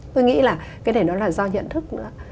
tôi nghĩ là cái này nó là do nhận thức nữa